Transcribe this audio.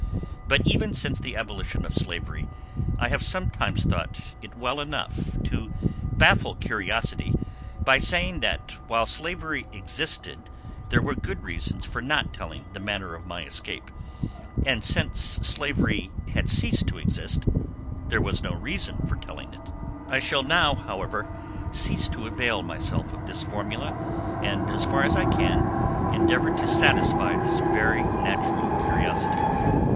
But even since the abolition of slavery, I have sometimes thought it well enough to baffle curiosity by saying that while slavery existed there were good reasons for not telling the manner of my escape, and since slavery had ceased to exist, there was no reason for telling it. I shall now, however, cease to avail myself of this formula, and, as far as I can, endeavor to satisfy this very natural curiosity.